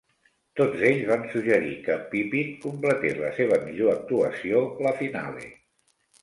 Tots ells van suggerir que Pippin completés la seva millor actuació: la Finale.